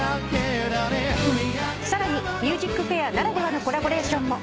さらに『ＭＵＳＩＣＦＡＩＲ』ならではのコラボレーションも。